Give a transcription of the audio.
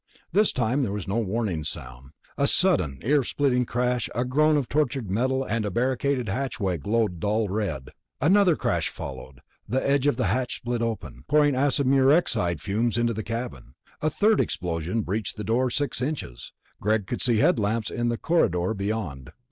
This time there was no warning sound. A sudden, ear splitting crash, a groan of tortured metal, and the barricaded hatchway glowed dull red. Another crash followed. The edge of the hatch split open, pouring acrid Murexide fumes into the cabin. A third explosion breached the door six inches; Greg could see headlamps in the corridor beyond.